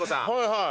・はい！